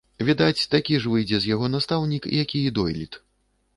Відаць, такі ж выйдзе з яго настаўнік, які і дойлід.